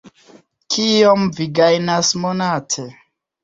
Kiom vi gajnas monate?